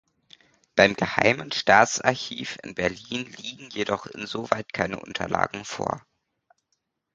Beim Geheimen Staatsarchiv in Berlin liegen jedoch insoweit keine Unterlagen vor.